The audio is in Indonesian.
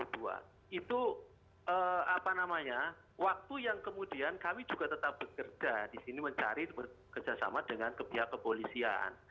itu apa namanya waktu yang kemudian kami juga tetap bekerja di sini mencari bekerjasama dengan pihak kepolisian